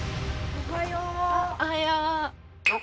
おはよう。